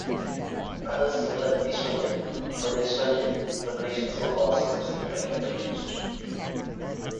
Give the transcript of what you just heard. Other similar estrogen–progestogen preparations were also subsequently introduced.